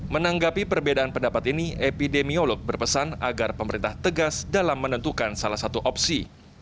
menanggapi perbedaan pendapat ini epidemiolog berpesan agar pemerintah tegas dalam menentukan salah satu opsi